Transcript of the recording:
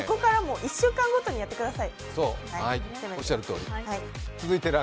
１週間ごとにやってください！